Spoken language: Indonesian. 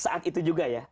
saat itu juga ya